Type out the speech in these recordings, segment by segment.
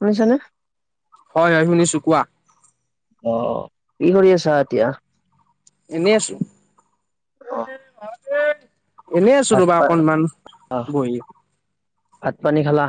শুনিছানে? হয়, হয়, শুনিছোঁ কোৱা। অ, কি কৰি আছা এতিয়া। এনেই, আছো। এনেই আছো ভাত ৰ'বা, অকনমান অ', বহি। ভাত পানী খালা?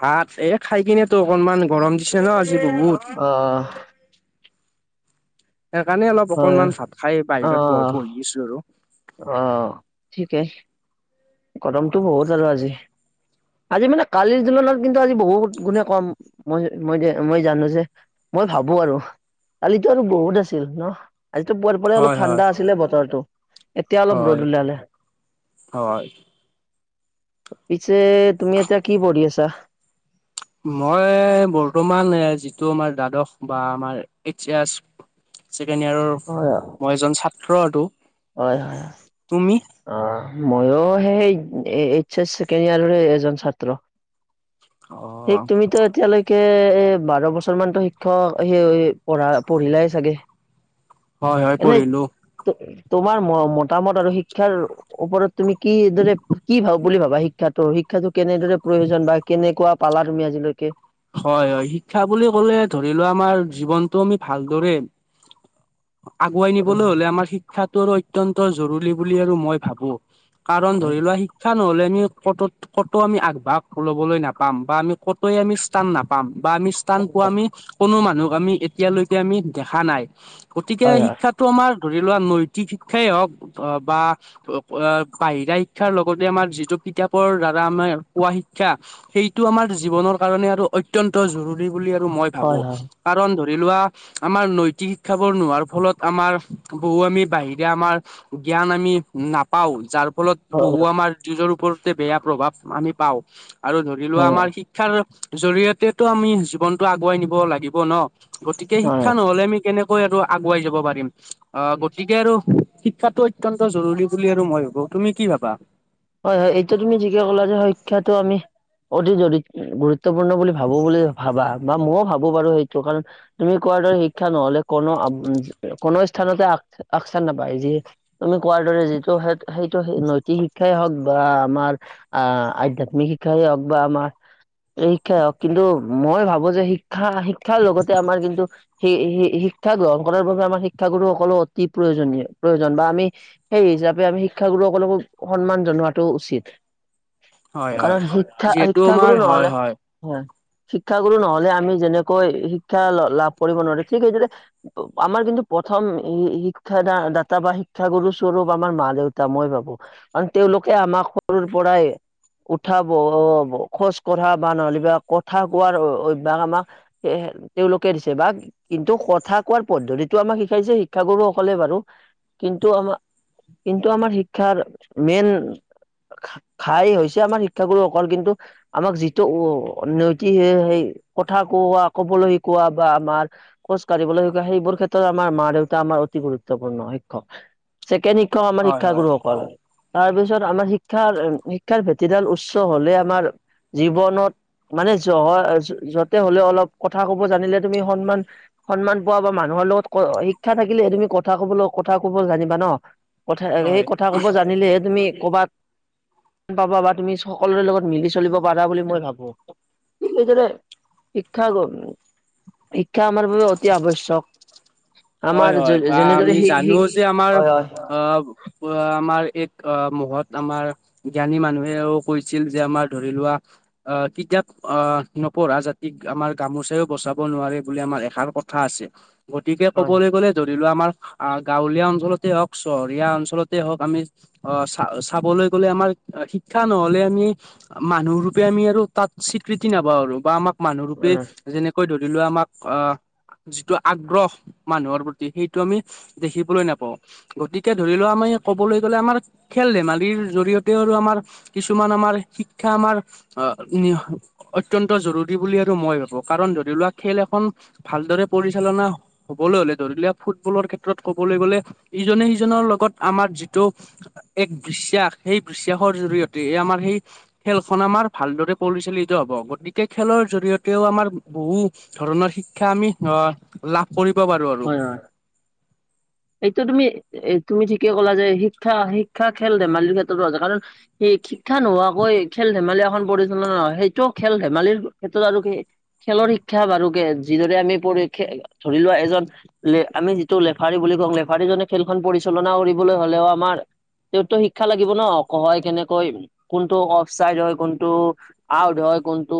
ভাত এই খাই কিনে তো অকনমান গৰম পিছে ন, আজি অ', বহুত। সেইকাৰণে অলপ হয়, অকনমান ভাত খাই বাহিৰত অ', বহি আছো আৰু। অ, ঠিকেই গৰমটো বহুত আৰু আজি। আজি মানে কালিৰ তুলনাত কিন্তু আজি বহুত গুণে কম মই, মই, মই, জানো যেই মই ভাবো আৰু কালিতো আৰু বহুত আছিল ন। আজিতো পুৱাৰ অলপ হয় হয় ঠাণ্ডা আছিলে বতৰটো। এতিয়া, অলপ হয় ৰ'দ উলালে। হয় পিছে, তুমি এতিয়া কি পঢ়ি আছা। মই বৰ্তমান যিটো আমাৰ দ্বাদশ, বা আমাৰ এইচয়াৰ্চ। ছেকেণ্ড ইয়াৰৰ হয়, মই এজন ছাত্ৰ আৰু। হয়, হয়, তুমি আহ। ময়ো সেই, সেই এইচচ ছেকেণ্ড ইয়াৰ এজন ছাত্ৰ। অ এক তুমি ত, এতিয়ালৈকে এ, বাৰ বছৰ মানতো, শিক্ষক সেই পঢ়া, পঢ়িলাই চাগে। হয়, হয়, এনে পঢ়িলো। তো- তোমাৰ মতামত আৰু শিক্ষাৰ ওপৰত তুমি কিদৰে কি ভাব বুলি ভাবা শিক্ষা, শিক্ষাটো কেনেদৰে প্ৰয়োজন বা কেনেকুৱা পালা তুমি আজিলৈকে? হয়, হয়, শিক্ষা বুলি ক'লে ধৰি লোৱা আমাৰ জীৱনটো আমি ভালদৰে আগুৱাই নিবলৈ হয় হলে, আমাৰ শিক্ষাটো আৰু অত্য়ন্ত জৰুৰী বুলি আৰু মই ভাবো। কাৰণ হয় ধৰি লোৱা শিক্ষাৰ নহলে আমি ক, কতো আমি আগভাগ ল'বলৈ নাপাম বা আমি কতে আমি স্থান নাপাম। বা আমি স্থান হয় পোৱা আমি কোনো মানুহক আমি এতিয়ালৈকে আমি দেখা নাই। গতিকে হয় হয় হয় শিক্ষাটো আমাৰ ধৰি লোৱা নৈতিক শিক্ষাই হওক বা বাহিৰা শিক্ষাৰ লগতে আমাৰ যিটো কিতাপৰ দ্বাৰা আমাৰ পোৱা শিক্ষা সেইটো আমাৰ জীৱনৰ কাৰণে আৰু অত্ন্ত জৰুৰী বুলি আৰু মই ভাবো কাৰণ ধৰি লোৱা আমাৰ নৈতিক শিক্ষ বোৰ নোৱাৰ ফলত আমাৰ বহু আমি বাহিৰে আমাৰ জ্ঞান আমি নাপাওঁ যাৰ ফলত হয় বহু আমাৰ যুজৰ ওপৰতে বেয়া প্ৰভাৱ আমি পাওঁ আৰু ধৰি লোৱা হয় আমাৰ শিক্ষাৰ জৰিয়তেতো আমি জীৱনটো আগুৱাই নিব লাগিব ন, গতিকে হয় হয় শিক্ষা নহলে আমি কেনেক আৰু আগুৱাই যাব পাৰিম। আহ, গতিকে আৰু শিক্ষাটো অত্ন্ত জৰুৰী বুলি আৰু মই ভাবো। তুমি কি ভাবা? তো, আমি অতি জৰি গুৰুত্বপূৰ্ণ বুলি ভাবো বুলি ভাবা বা ময়ও ভাবো বাৰু সেইটো কাৰণ তুমি কোৱা শিক্ষা নহলে কোনো, কোনো স্থানতে আস্থান নাপায়। যি তুমি কোৱাৰ যিটো, সেইটো নৈতিক শিক্ষ শিক্ষাই হওক বা আমাৰ আহ, আধ্যয়াত্মিক শিক্ষাই হওক বা আমাৰ শিক্ষা হওক, কিন্তু মই ভাবো যে, শিক্ষা, শিক্ষাৰ লগতে আমাৰ কিন্তু সেই শিক্ষা গ্ৰহণ কৰাৰ বাবে আমাৰ শিক্ষাগুৰুসকলো অতি প্ৰয়োজনীয়, প্ৰয়োজন বা আমি সেই হিচাপে আমি শিক্ষাগুৰুসকলকো সন্মান জনোৱাাতটো উচিত। হয় হয়। কাৰণ শিক্ষা, যিহেতু শিক্ষা আমাৰ গৰু হয় নহলে, হয় হে শিক্ষাগুৰু নহলে আমি যেনেকৈ শিক্ষা লাভ কৰিব নোৱাৰো, ঠিক সেইদৰে আমাৰ কিন্তু প্ৰথম শিক্ষাা দাতা বা শিক্ষাগুৰুস্বৰূপ আমাৰ মা, দেউতা মই ভাবো। আৰু তেওঁলোকে আমাক সৰুৰপৰায়ে উঠা, ব, খোজ কঢ়া বা নহ'লেব কথা কোৱাৰ অভ্যাস আমাক স তেওঁলোকে দিছে বা কিন্তু কথা কোৱাৰ পদ্ধতিতটো আমাক শিকাইছে শিক্ষাগুৰু। কলে বাৰু কিন্তু আমাৰ কিন্তু আমাৰ শিক্ষাৰ মেইন খাই হৈছে আমাৰ শিক্ষাগুৰুসকল কিন্তু আমাক যিটো উ, নৈতি সেই কথা কোৱা, কবলৈ শিকোৱা বা আমাৰ খোজ কঢ়িবলৈ শিকোৱা, সেইবোৰ ক্ষেত্ৰত আমাৰ মা, দেউতা আমাৰ অতি গুৰুত্বপূৰ্ণ শিক্ষক, ছেকেণ্ড শিক্ষক আমাৰ হয় হয় শিক্ষাগুৰুসকল। তাৰপিছত আমাৰ শিক্ষাৰ, শিক্ষাৰ ভেটিডাল উচ্চ হলে, আমাৰ জীৱনত মানে জহ যতে হ'লে অলপ কথা ক'ব জানিলে তুমি সন্মান, সন্মান পোৱা বা মানুহ ত, লগত শিক্ষা থাকিলে, তুমি কথা কব, কথা কব জানিবা ন, কথা সেই হয় কথাব যে, তুমি ক'ৰবাত গ, পাবা বা তুমি সকলোৰে লগত মিলি, চলিব পাৰা বুলি মই ভাবো সেই শিক্ষা, শিক্ষা আমাৰ বাবে অতি আৱশ্যয়ক। হয়, হয় বা আমি জানো সেই যে, আমাৰ হয় হয় অ'। আমাৰ এক অ, মহত আমাৰ জ্ঞানী মানুহেও কৈছিল যে, আমাৰ ধৰি লোৱা আহ কিতাপ আ, নপঢ়া যাতিক আমাৰ গামোচাও বচাব নোৱাৰে বুলি আমাৰ এষাৰ কথা আছে। গতিকে হয় ক'বলে গ'লে যদ ৰি লোৱা আমাৰ আ, গাঁৱলীয়া অঞ্চলতে হওঁক চহৰীয়া অঞ্চলতে হওঁক আমি অ, চা-চাবলৈ [unintelligible] আমাৰ আ, শিক্ষা নহ'লে আমি মানুহ ৰূপে আমি আৰু তাত স্বীকৃতি নাপাওঁ আৰু বা আমাক মানুহ ৰূপে হয় যেনেকৈ ধৰি লোৱা আমাক আ, যিটো আগ্ৰহ মানুহৰ প্ৰতি সেইটো আমি দেখিবলৈ নাপাওঁ। গতিকে ধৰি লওঁ আমি ক'বলৈ গ'লে আমাৰ সে [unintelligible] ধেমালিৰ জৰিয়তে আৰু আমাৰ কিছুমান আমাৰ শিক্ষা আমাৰ আ, নিহ, অত ত্যন্ত জৰুৰী বুলি আৰু মই ভাবো। কাৰণ ধৰি লোৱা খেল এখন ভালদৰে পৰিচালনা হ'বলৈ হ'লে ধৰিলে ফুটবলৰ ক্ষেত্ৰত ক'বলৈ গ'লে ইজনে সিজনৰ লগত আমাৰ যিটো এক বিশ্বাস সেই বিশ্বাসৰ জৰিয়তে এ, আমাৰ সেই খেলখন আমাৰ ভালদৰে পলিচালিত হ'ব হ'ব। গতিকে খেলৰ জৰিয়তেও আমাৰ বহু ধৰণৰ শিক্ষা আমি আ, লা হয়, হয়। এইটো তুমি এ, তুমি ঠিকে ক'লা যে শিক্ষা শিক্ষা খেল ধেমালিৰ ক্ষেত্ৰতো আছে। কাৰণ সেই শিক্ষা নোহোৱাকৈ [unintelligible] খেল ধেমালি এখন পৰিচালনা হয়। সেইটো খেল ধেমালিৰ ক্ষেত্ৰত আৰু খে, খেলৰ শিক্ষা বাৰুকে যিদৰে আমি পৰিশখে ধৰি লোৱা এজন লে, আমি যিটো লেফাৰী বুলি কওঁ লেফাৰীজনে খেলখন পৰিচালনা কৰিবলৈ হ'লেও আমাৰ তেওঁতো শিক্ষা লাগিব ন'। কহয় কেনেকৈ কোনটো অফ চাইড হয় কোনটো আউট হয়। কোনটো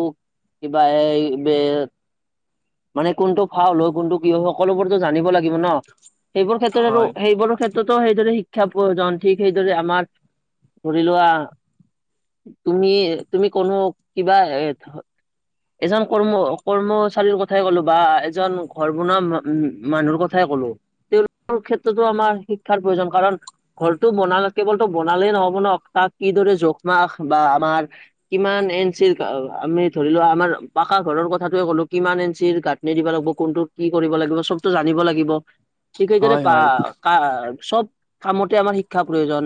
কিবা এই বে মানে কোনটো ফাউল হয় কোনটো কি হক সকলোবোৰতো জানিব লাগিব ন'। সেইবোৰ ক্ষেত্ৰত আৰু হয়, সেইবোৰৰ ক্ষেত্ৰতো সেইদৰে শি ক্ষা প্ৰয়োজন। ঠিক সেইদৰে আমাৰ ধৰি লোৱা তুমি তুমি কনো কিবা এ, ধ এজন কৰ্ম কৰ্মচাৰীৰ কথাই ক'লো বা এজন ঘৰ বনোৱা ম উম, মানুহৰ কথাই ক'লো। তেওঁলোকৰ ক্ষেত্ৰতো আমাৰ শিক্ষাৰ প্ৰয়োজন কাৰণ ঘৰটো বনাল কেৱলতো বনালে নহব ন'। তাক কিদৰে জোখমাখ বা আমাৰ কিমান এন চিৰ আমি ধৰিলোৱা আমাৰ পাকা ঘৰৰ কথাটোয়ে ক'লো, কিমান এঞ্চিৰ গাঠনি দিবা লাগব' কোনটো কি কৰিব লাগব'। চবতো জানিব লাগিব। ঠিক সেইদৰে হয়, পা, হয়, কা চব কামতে আমাৰ শিক্ষা প্ৰয়োজন।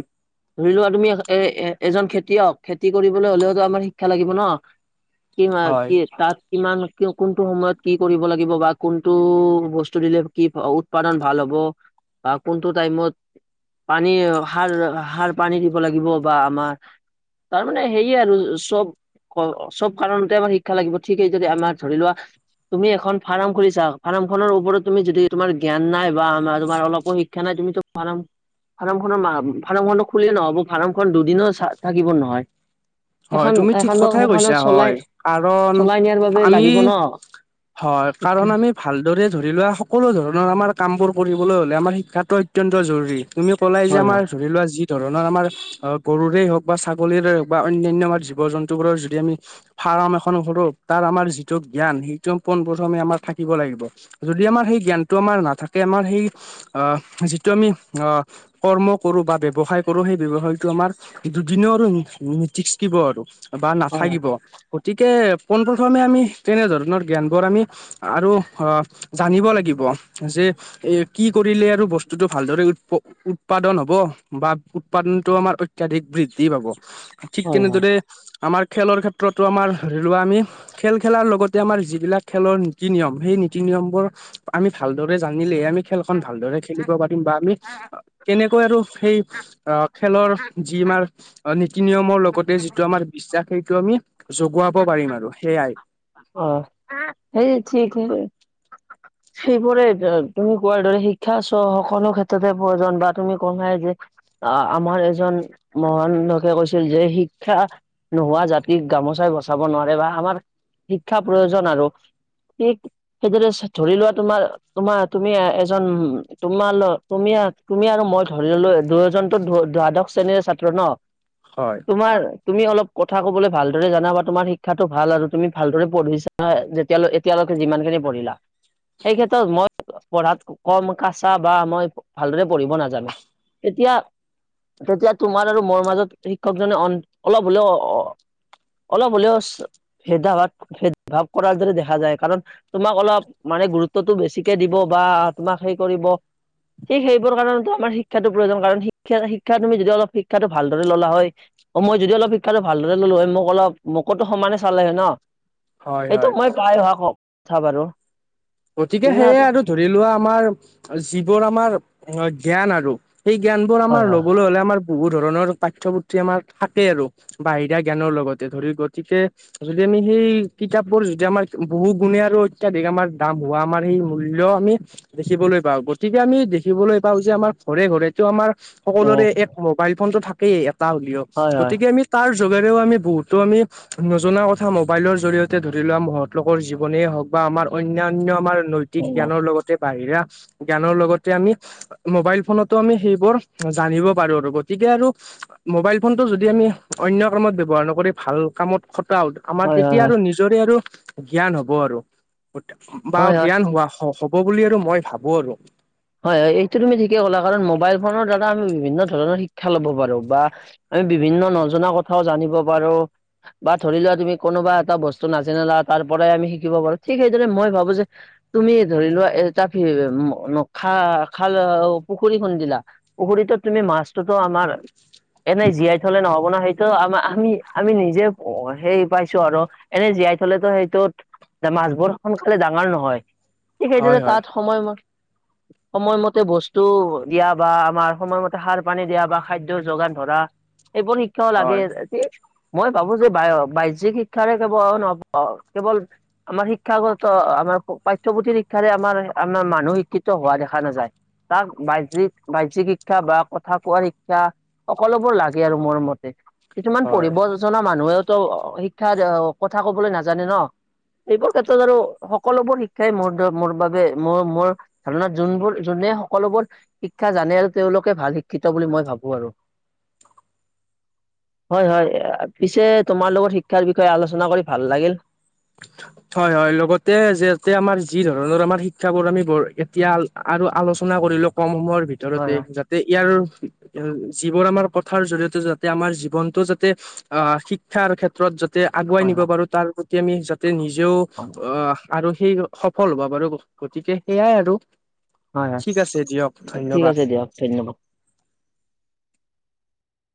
ধৰি লোৱা তুমি এ-এ-এজন খেতিয়ক। খেতি কৰিবলৈ হ'লেওটো আমাৰ শিক্ষা লাগিব ন'। কিমা হয়, কি তাত কিমান কি কোনটো সময়ত কি কৰিব লাগিব বা কোনটো বচ [unintelligible] কি উৎপাদন ভাল হ'ব বা কোনটো টাইমত পানী সাৰ সাৰ পানী দিব লাগিব বা আমা তাৰমানে সেয়ে আৰু চব ক, চব কাৰণতে আমাৰ শিক্ষা লাগিব ঠিকে যদি আমাৰ ধৰি লোৱা তুমি এখন ফাৰাম খুলিছা, ফাৰামখনৰ ওপৰত তুমি যদি তোমাৰ জ্ঞান নাই বা আমাৰ তোমাৰ অলপো শিক্ষা নাই তুমিতো ফাৰাম ফাৰামখনৰ মা, ফাৰামখমতো খুলিলে নহ'ব ফাৰামখন দুদিন' চা থাকিব নহয়। হয়, এখন তুমি ঠিক এখনো কথাই সেইখনত কৈছা চলাই হয় কাৰণ চলাই নিয়াৰ বাবে লাগিব আমি ন'। হয় কাৰণ আমি ভালদৰে ধৰি লোৱা স কলো ধৰণৰ আমাৰ কাম বোৰ কৰিবলৈ হ'লে আমাৰ শিক্ষাটো অত্যন্ত জৰুৰী। তুমি ক'লাই যে হয় আমাৰ হয় ধৰি লোৱা যি ধৰণৰ আমাৰ আ, গৰুৰেই হওঁক বা ছাগলীৰে হওঁক বা অন্যান্য আমাৰ জীৱ জন্তুবোৰৰ যদি আমি ফাৰাম এখন খৰো তাৰ আমাৰ যিটো জ্ঞান সেইটো পোন পথমে আমাৰ থাকিব লাগিব। যদি আমাৰ সেই জ্ঞানটো আমাৰ নাথাকে আমাৰ সেই আ, যিটো আম অ, কৰ্ম কৰো বা ব্যৱসায় কৰো সেই ব্যৱসায়টো আমাৰ দুদিনৰ [unintelligible] থিস্কিব আৰু বা হয় নাথাকিব। গতিকে পোন প্ৰথমে আমি তেনেধৰণৰ জ্ঞান বোৰ আমি আৰু আ, জানিব লাগিব যে এ, কি ক [unintelligible] আৰু বস্তুতো ভালদৰে উৎপ-উৎপাদন হ'ব বা উৎপাদনতটো আমাৰ অত্যাধিক বৃদ্ধি [inaudible] পাব ঠিক হয় হয় তেনেদৰে আমাৰ খেলৰ ক্ষেত্ৰতো আমাৰ ধৰি লোৱা আমি খেল খেলাৰ লগতে আমাৰ যিবিলাক খেলৰ নীতি নিয়ম সেই নীতি নিয়মবোৰ আমি ভালদৰে জানিলেহে আমি খেলখন ভালদৰে খেলিব পাৰিম বা আমি কেনেকৈ আৰু সেই অ' খেলৰ যি তোমাৰ নীতি নিয়মৰ লগতে যিটো আমাৰ বিশ্বাস সেইটো আমি জগোৱাব পাৰিম আৰু সেয়াই। অ সেইবোৰেই তুমি কোৱাৰ দৰে শিক্ষা চ সকলো ক্ষেত্ৰতে প্ৰয়োজন বা তুমি কলাই যে আ-আমাৰ এজন মহানলোকে কৈছিল যে শিক্ষা নোহোৱা জাতিক গামোচাই বচাব নোৱাৰে বা আমাৰ শিক্ষা প্ৰয়োজন আৰু সেই সেইদৰে ধৰি লোৱা তোমাৰ তোমাৰ তুমি এজন তোমাৰ ল তুমি তুমি আৰু মই ধৰি ল'লো। দুয়োজন তো দ্বাদশ শ্ৰেণীৰে ছাত্ৰ ন'? হয় তোমাৰ তুমি অলপ ক'থা ক'বলৈ ভালদৰে জানা বা তোমাৰ শিক্ষাটো কথা কবলৈ ভালদৰে জানা বা তোমাৰ শিক্ষাটো ভাল আৰু তুমি ভালদৰে পঢ়িছা যেতিয়ালৈ এতিয়ালৈকে যিমানখিনি খিনি পঢ়িলা। সেই ক্ষেত্ৰত মই পঢ়াত কম কাচা বা মই ভালদৰে পঢ়িব নাজানো তেতিয়া তেতিয়া তোমাৰ আৰু মোৰ মাজত শিক্ষকজনে অল-অলপ হ'লেও অ অলপ হলেও চ ভেদা ভাৱ ভেদ ভাৱ কৰাৰ দৰে দেখা যায় কাৰণ তোমাক অলপ মানে গুৰুত্বটো বেছিকে দিব বা তোমাক হেই কৰিব। ঠিক সেইবোৰ কাৰণতো আমাৰ শিক্ষাটো প্ৰয়োজন কাৰণ শিক্ষা শিক্ষা তুমি যদি অলপ শিক্ষাটো ভালদৰে ল'লা হয়। অ' মই যদি অলপ শিক্ষাটো ভালদৰে ল'লো হয় মোক অলপ মোকতো সমানে চালে হয় ন'? হয় এইটো হয় মই পাই অহা কথা বাৰু। গতিকে সেয়ে তোমাৰ আৰু ধৰি লোৱা আমাৰ যিবোৰ আমাৰ জ্ঞান আৰু। সেই জ্ঞানবোৰ আমাৰ হয় হয় ল'বলৈ হ'লে আমাৰ বহুত ধৰণৰ পাঠ্যপুথি আমাৰ থাকে আৰু বাহিৰা জ্ঞানৰ লগতে ধৰি গতিকে আমি সেই কিতাপবোৰ যদি আমাৰ বহু গুণে আৰু অত্যাধিক আমাৰ দাম হোৱা আমাৰ সেই মূল্য আমি দেখিবলৈ পাওঁ। গতিকে আমি দেখিবলৈ পাওঁ যে আমাৰ ঘৰে ঘৰেটো আমাৰ উম সকলোৰে এক মোবাইল ফোনটো থাকেই এটা হ'লেও হয় হয় গতিকে আমি তাৰ যুগাৰেও বহুতো আমি নজনা কথা মোবাইলৰ জড়িয়তে ধৰি লোৱা মহৎ লোকৰ জীৱনী হওক বা বা আমাৰ অন্যান্য আমাৰ নৈতিক উম জ্ঞানৰ লগতে বাহিৰা জ্ঞানৰ লগতে আমি মোবাইল ফোনতো আমি সেইবোৰ জানিব পাৰো আৰু গতিকে তিকে আৰু তেতিয়া আৰু মোবাইল ফোনটো যদি আমি অন্য কামত ব্যৱহাৰ নকৰি ভাল কামত খটাও আমাৰ হয় হয় হয় তেতিয়া আৰু নিজৰে আৰু জ্ঞান হ'ব আৰু। বা হয় হয় হয় জ্ঞান হোৱা হ'ব বুলি আৰু মই ভাবো আৰু। হয় হয় এইটো তুমি ঠিকে ক'লা কাৰণ মোবাইল ফোনৰ দ্বাৰা আমি বিভিন্ন ধৰণৰ শিক্ষা ল'ব পাৰো বা আমি বিভিন্ন নজনা কথাও জানিব পাৰো বা ধৰি লোৱা তুমি কোনোবা এটা বস্তু নাজানিলা তাৰ পৰাই আমি শিকিব পাৰো। ঠিক সেইদৰে মই ভাবো যে তুমি ধৰি লোৱা এটা [unintelligible] খা-খাল পুখুৰী খন্দিলা, পুখুৰীতো তুমি মাছটোতো আমাৰ এনেই জীয়াই থলে নহ'ব না। সেই ত' আমাৰ আমি আমি নিজে হেৰি পাইছো আৰু এনে জীয়াই থলেতো সেইটোত মাছবোৰ সোনকালে ডাঙৰ নহয়, ঠিক সেইদৰে হয় হয় তাত সময় মই সময়মতে বস্তু দিয়া বা আমাৰ সময়মতে সাৰ পানী দিয়া বা খাদ্য যোগান ধৰা এইবোৰ শিক্ষাও লাগে হয় [unintelligible] মই ভাবোঁ যে বা-বাহ্যিক শিক্ষাৰে কেৱল নহ কেৱল আমাৰ শিক্ষাগত আমাৰ পাঠ্যপুথিৰ শিক্ষাৰে আমাৰ আমাৰ মানুহ শিক্ষিত হোৱা দেখা নাযায়। তাক বাহ্যিক বাহ্যিক শিক্ষা বা কথা কোৱাৰ শিক্ষা সকলোবোৰ লাগে আৰু মোৰ মতে। কিছুমান হয়। পঢ়িব জনা মানুহেওতো শিক্ষাৰ কথা কবলৈ নাজানে ন'। সেইবোৰ ক্ষেত্ৰত আৰু সকলোবোৰ শিক্ষাই মোৰ মোৰ বাবে মোৰ মোৰ ধাৰণাত যোনবোৰ যোনে সকলোবোৰ শিক্ষা জানে আৰু তেওঁলোকে ভাল শিক্ষিত বুলি মই ভাবোঁ আৰু। [inaudible] হয় হয়। পিছে তোমাৰ লগত শিক্ষাৰ বিষয়ে আলোচনা কৰি ভাল লাগিল। হয় হয় লগতে জাতে আমাৰ যিধৰণৰ আমাৰ শিক্ষাবোৰ আমি বৰ এতিয়া আৰু আলোচনা কৰি ধৰি লোৱা কম সময়ৰ হয় ভিতৰতে হয় যাতে ইয়াৰ যিবোৰ আমাৰ প্ৰথাৰ জৰিয়তে যাতে আমাৰ জীৱনটো যাতে আ, শিক্ষাৰ ক্ষেত্ৰত যাতে তাতে আগুৱাই নিব হয় পাৰো, তাৰ প্ৰতি আমি যাতে নিজেও হয় আহ। আৰু সেই সফল হব বাৰু গতিকে সেইয়াই আৰু। হয় ঠিক আছে দিয়ক হয় ঠিক আছে ধন্যবাদ। দিয়ক ধন্যবাদ